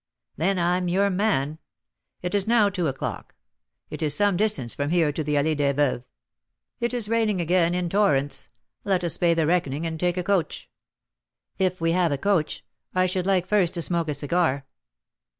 "Then I'm your man. It is now two o'clock; it is some distance from here to the Allée des Veuves; it is raining again in torrents; let us pay the reckoning and take a coach." "If we have a coach, I should like first to smoke a cigar."